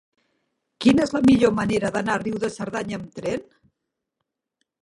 Quina és la millor manera d'anar a Riu de Cerdanya amb tren?